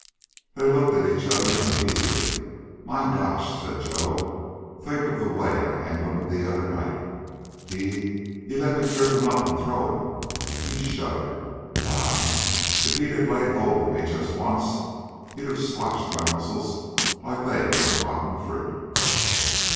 They looked at each other uneasily. "My gosh," said Joe, "think of the way I handled him the other night! He he let me trip him up and throw him!" He shuddered. "Why, if he'd laid hold of me just once, he'd of squashed my muscles like they was rotten fruit!"